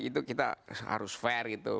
itu kita harus fair gitu